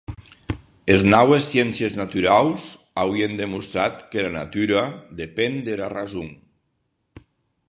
Es naues sciéncies naturaus auien demostrat qu'era natura depen dera rason.